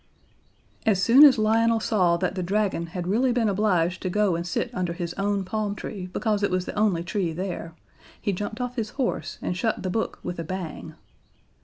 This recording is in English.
As soon as Lionel saw that the Dragon had really been obliged to go and sit under his own palm tree because it was the only tree there, he jumped off his horse and shut the book with a bang.